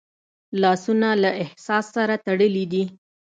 لاسونه له احساس سره تړلي دي